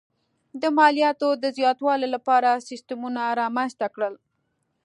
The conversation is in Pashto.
د مالیاتو د زیاتولو لپاره سیستمونه رامنځته کړل.